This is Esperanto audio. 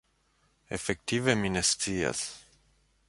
Efektive mi ne scias.